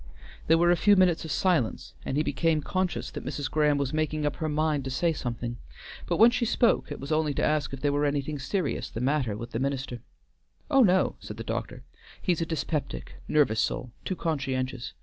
There were a few minutes of silence, and he became conscious that Mrs. Graham was making up her mind to say something, but when she spoke it was only to ask if there were anything serious the matter with the minister. "Oh, no," said the doctor, "he's a dyspeptic, nervous soul, too conscientious!